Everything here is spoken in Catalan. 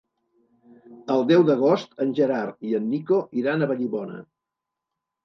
El deu d'agost en Gerard i en Nico iran a Vallibona.